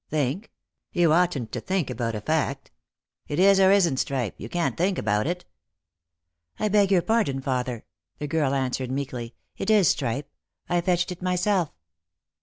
" Think ! You oughtn't to think about a fact. It is or isn't tripe. Tou can't think about it." " I beg your pardon, father," the girl answered meekly ;" it is tripe. I fetched it myself."